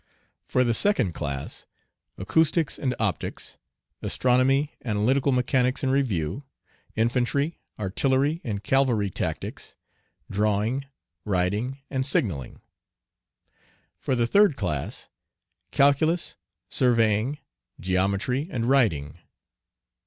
For the second class, acoustics and optics, astronomy, analytical mechanics in review; infantry, artillery, and cavalry tactics; drawing, riding, and signalling. For the third class, calculus, surveying, geometry, and riding.